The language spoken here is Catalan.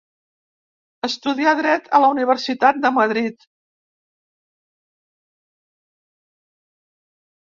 Estudià dret a la Universitat de Madrid.